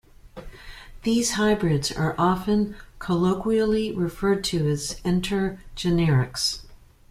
These hybrids are often colloquially referred to as intergenerics.